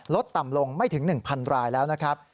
ต่ำลงไม่ถึง๑๐๐รายแล้วนะครับ